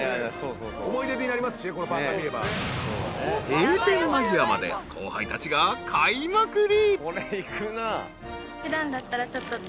［閉店間際まで後輩たちが買いまくり］